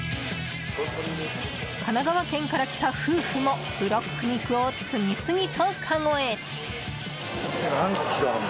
神奈川県から来た夫婦もブロック肉を次々とかごへ。